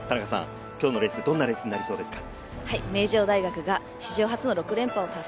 今日のレース、どんなレースになりそうですか？